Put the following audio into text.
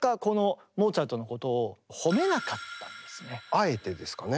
あえてですかね？